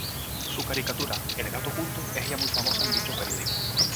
Su caricatura ""El Gato Culto"" es ya muy famosa en dicho periódico.